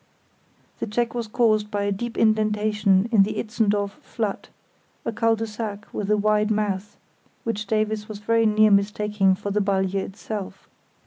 The check was caused by a deep indentation in the Itzendorf Flat; a cul de sac, with a wide mouth, which Davies was very near mistaking for the Balje itself.